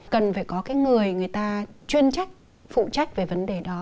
cần phải có cái người người ta chuyên trách phụ trách về vấn đề đó